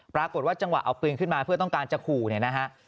ปรากฏว่าจังหวะเอาปืนขึ้นมาเพื่อต้องการจะขู่เนี่ยนะฮะ